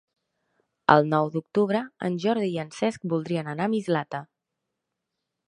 El nou d'octubre en Jordi i en Cesc voldrien anar a Mislata.